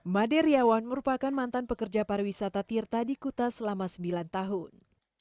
made riawan merupakan mantan pekerja pariwisata tirta di kuta selama sembilan tahun